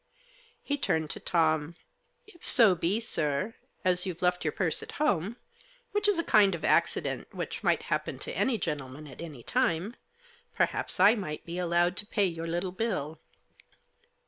He turned to Tom. " If so be, sir, as youVe left your purse at home, which is a kind of accident which might happen to any gentleman at any time, perhaps I might be allowed to pay your little bill."